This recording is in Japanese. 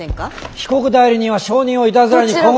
被告代理人は証人をいたずらに困惑。